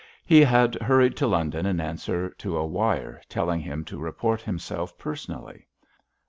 He had hurried to London in answer to a wire, telling him to report himself personally.